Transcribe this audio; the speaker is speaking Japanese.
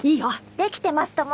できてますとも！